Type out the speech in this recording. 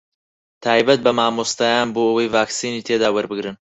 تایبەت بە مامۆستایان بۆ ئەوەی ڤاکسینی تێدا وەربگرن